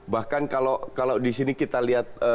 bahkan kalau di sini kita lihat